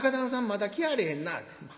まだ来はれへんな』。